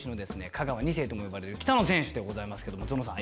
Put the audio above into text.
香川２世とも呼ばれる北野選手でございますけどもゾノさん